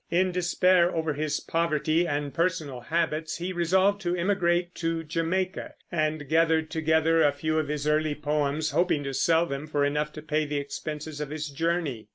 In despair over his poverty and personal habits, he resolved to emigrate to Jamaica, and gathered together a few of his early poems, hoping to sell them for enough to pay the expenses of his journey.